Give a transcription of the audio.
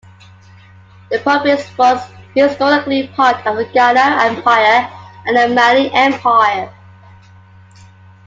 The province was historically part of the Ghana Empire and the Mali Empire.